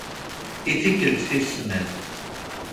I tikkelt tis snat.